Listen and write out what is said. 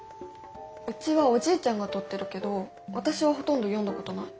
うちはおじいちゃんが取ってるけど私はほとんど読んだことない。